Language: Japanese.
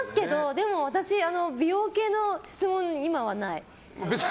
でも私、美容系の質問今はない。